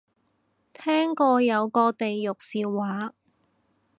聽過有個地獄笑話